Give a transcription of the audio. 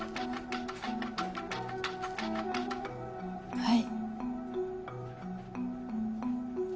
はい。